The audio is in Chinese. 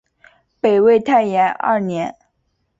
北魏太延二年。